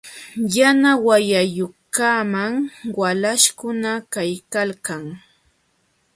Yana wayayuqkamam walaśhkuna kaykalkan.